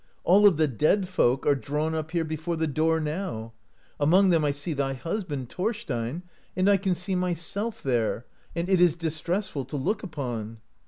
All of the dead folk are drawn up here before the door now; among them I see thy husband, Thorstein, and I can see myself there, and it is distressful to look upon."